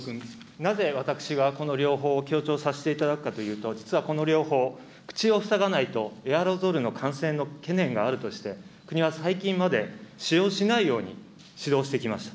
なぜ私がこの療法を強調させていただくかというと、実はこの療法、口を塞がないとエアロゾルの感染の懸念があるとして国は最近まで使用しないように指導してきました。